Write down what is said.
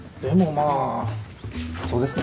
まあそうですね。